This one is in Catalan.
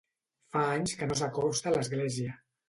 Fa anys que no s'acosta a l'església.